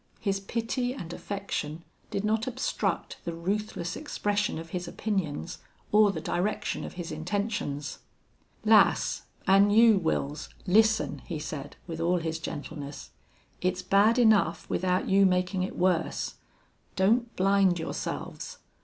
His pity and affection did not obstruct the ruthless expression of his opinions or the direction of his intentions. "Lass, an' you, Wils, listen," he said, with all his gentleness. "It's bad enough without you makin' it worse. Don't blind yourselves.